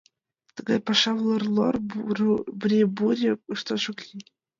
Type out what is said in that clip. Тыгай пашам лыр-лор, бри-бури ышташ ок лий.